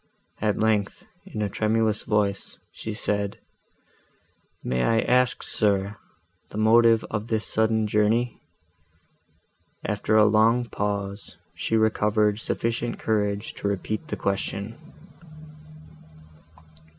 At length, in a tremulous voice, she said, "May I ask, sir, the motive of this sudden journey?"—After a long pause, she recovered sufficient courage to repeat the question.